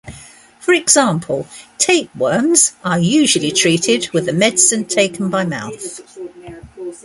For example, tapeworms are usually treated with a medicine taken by mouth.